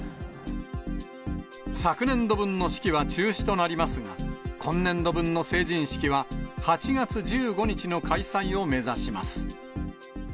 昨年度分の式は中止となりますが、今年度分の成人式は８月１５日の開催を目指します。